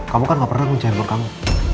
kamu kan gak pernah kunci handphone kamu